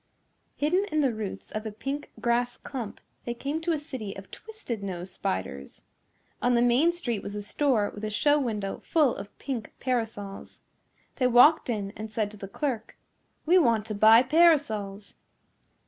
Hidden in the roots of a pink grass clump, they came to a city of twisted nose spiders. On the main street was a store with a show window full of pink parasols. They walked in and said to the clerk, "We want to buy parasols."